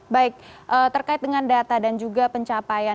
baik terkait dengan data dan juga pencapaian